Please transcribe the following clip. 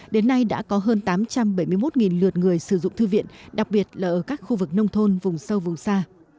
đến nay đã có hơn tám trăm bảy mươi một lượt người sử dụng thư viện đặc biệt là ở các khu vực nông thôn vùng sâu vùng xa